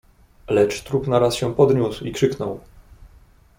"Lecz trup naraz się podniósł i krzyknął."